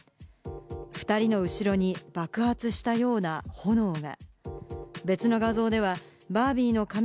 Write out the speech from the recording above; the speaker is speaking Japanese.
２人の後ろに爆発したような炎が。